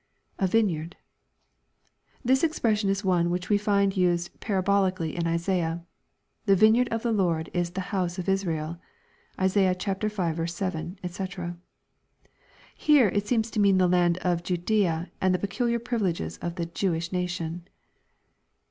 [A vineyard.] This expression is one which we find used para bolically in Isaiah :" The vineyard of the Lord is the house of Israel." (Isa. v. 7 ; &c.) Here it seems to mean the land of Ju daea, and the peculiar privileges of the Jewi^ nation.